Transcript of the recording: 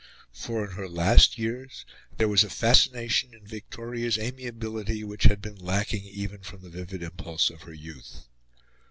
For in her last years there was a fascination in Victoria's amiability which had been lacking even from the vivid impulse of her youth.